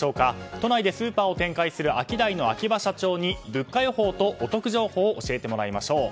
都内でスーパーを展開するアキダイの秋葉社長に物価予報とお得情報を教えてもらいましょう。